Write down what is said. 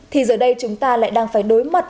thì giờ đây chúng ta lại đang phải đối mặt